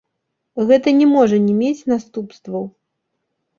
Гэта не можа не мець наступстваў.